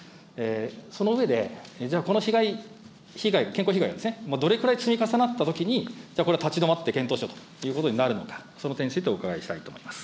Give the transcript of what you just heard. その上で、じゃあ、この被害、健康被害ですね、どれぐらい積み重なったときに、じゃあ、これは立ち止まって検討しようということになるのか、その点についてお伺いしたいと思います。